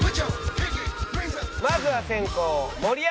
まずは先攻盛山。